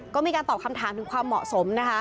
ก็มีการตอบคำถามถึงความเหมาะสมนะคะ